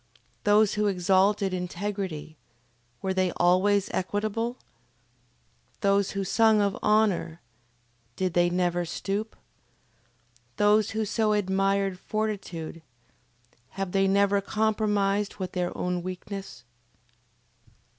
Those who exalted integrity, were they always equitable? Those who sung of honor, did they never stoop? Those who so admired fortitude, have they never compromised with their own weakness?